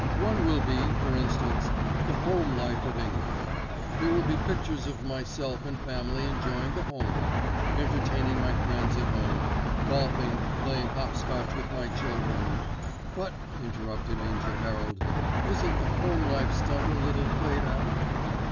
One will be, for instance, 'The Home Life of England.' There will be pictures of myself and family enjoying the home life, entertaining my friends at home, golfing, playing hop scotch with my children——" "But," interrupted Angell Herald, "isn't the Home Life stunt a little played out?"